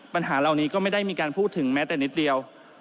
ปัญหาเหล่านี้ก็ไม่ได้มีการพูดถึงแม้แต่นิดเดียว